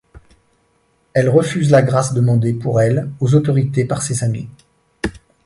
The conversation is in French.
Elle refuse la grâce demandée pour elle aux autorités par ses amis.